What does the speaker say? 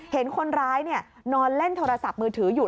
เห็นคนร้ายนอนเล่นโทรศัพท์มือถืออยู่